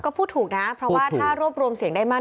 ก็พูดถูกนะเพราะว่าถ้ารวบรวมเสียงได้มาก